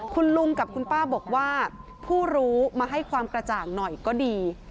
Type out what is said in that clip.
คุณลุงกับคุณป้าบอกว่าผู้รู้มาให้ความกระจ่างหน่อยก็ดี